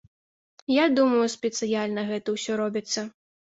Я думаю, спецыяльна гэта ўсё робіцца.